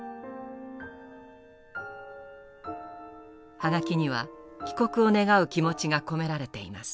葉書には帰国を願う気持ちが込められています。